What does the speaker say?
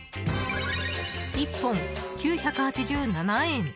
１本９８７円。